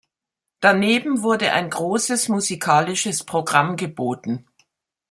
Daneben wurde ein großes musikalisches Programm geboten.